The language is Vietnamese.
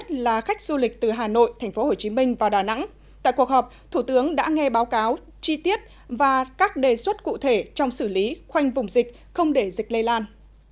tại cuộc họp thủ tướng đã nghe báo cáo chi tiết và các đề xuất cụ thể trong xử lý khoanh vùng dịch không để dịch lây lan